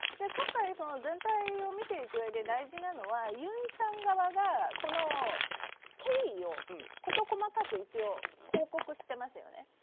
今回、全体を見ていくうえで大事なのはユンさん側がこの経緯を事細かく報告してますよね。